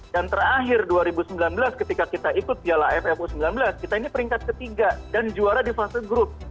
dan terakhir dua ribu sembilan belas ketika kita ikut piala ffu sembilan belas kita ini peringkat ketiga dan juara di fase grup